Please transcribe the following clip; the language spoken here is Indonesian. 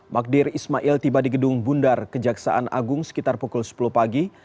magdir ismail tiba di gedung bundar kejaksaan agung sekitar pukul sepuluh pagi